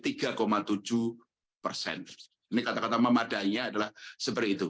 ini kata kata memadainya adalah seperti itu